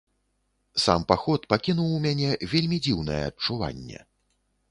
Сам паход пакінуў у мяне вельмі дзіўнае адчуванне.